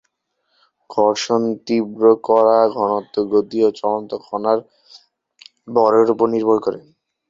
ঘর্ষণ তীব্র কড়া, ঘনত্ব, গতি এবং চলন্ত কণার ভরের উপর নির্ভর করে।